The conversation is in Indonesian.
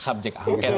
masuk subjek angket